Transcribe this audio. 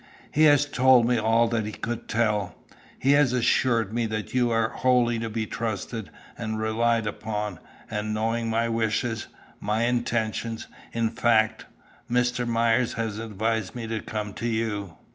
He has told me all that he could tell. He has assured me that you are wholly to be trusted and relied upon, and, knowing my wishes my intentions, in fact Mr. Myers has advised me to come to you."